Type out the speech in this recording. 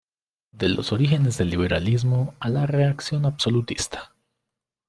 De los orígenes del liberalismo a la reacción absolutista".